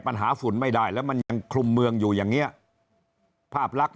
ฝุ่นไม่ได้แล้วมันยังคลุมเมืองอยู่อย่างเงี้ยภาพลักษณ